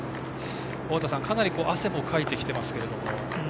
尾方さん、かなり汗もかいてきていますけども。